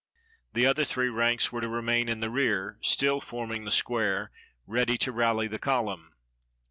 The other three ranks were to remain in the rear, still forming the square, ready to rally the column.